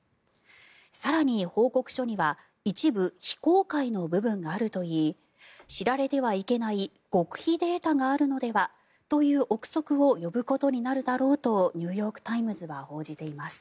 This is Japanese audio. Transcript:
更に、報告書には一部、非公開の部分があるといい知られてはいけない極秘データがあるのではという臆測を呼ぶことになるだろうとニューヨーク・タイムズが報じています。